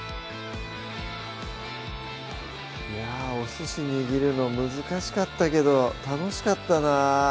いやお寿司握るの難しかったけど楽しかったなぁ